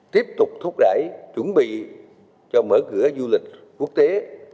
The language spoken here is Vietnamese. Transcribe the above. tiếp tục thúc đẩy chuẩn bị cho mở cửa du lịch quốc tế